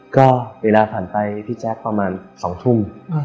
ก็เวลาผ่านไปพี่แจ๊คประมาณ๒ทุ่ม